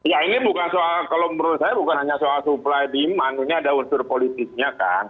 ya ini bukan soal kalau menurut saya bukan hanya soal supply demand ini ada unsur politiknya kan